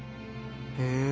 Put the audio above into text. へえ。